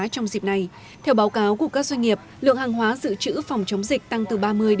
trong dịp này theo báo cáo của các doanh nghiệp lượng hàng hóa dự trữ phòng chống dịch tăng từ ba mươi